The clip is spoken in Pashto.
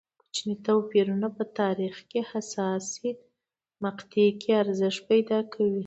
کوچني توپیرونه په تاریخ حساسې مقطعې کې ارزښت پیدا کوي.